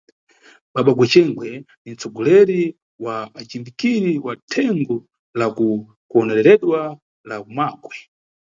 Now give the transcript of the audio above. Baba Gwexengwe ni nʼtsogoleri wa ajimbikiri wa Thengo la kuwonereredwa la kuMagwe.